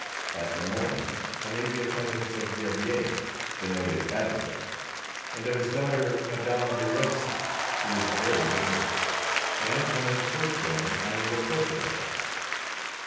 At Le Moine's I made the acquaintance of Gerbier, the noted advocate, and of his daughter Mme. de Roissy, who was very beautiful, and one of the first women I made a portrait of.